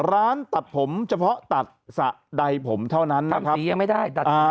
ร้านตัดผมเฉพาะตัดสะใดผมเท่านั้นนะครับ